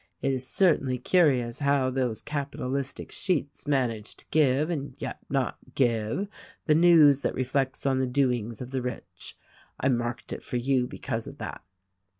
It is certainly curious how those capitalistic sheets manage to give, and yet not give, the news that reflects on the doings of the rich. I marked it for you because of that."